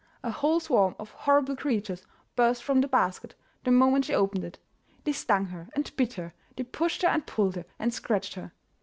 A whole swarm of horrible crea tures burst from the basket the moment she opened it. They stung her and bit her, they pushed her and pulled her, and scratched her.